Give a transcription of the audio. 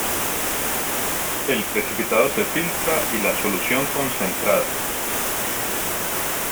El precipitado se filtra y la solución concentrada.